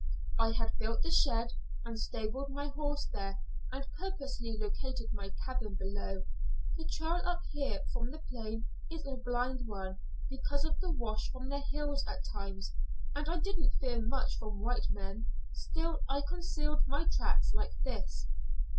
"I had built the shed and stabled my horse there, and purposely located my cabin below. The trail up here from the plain is a blind one, because of the wash from the hills at times, and I didn't fear much from white men, still I concealed my tracks like this.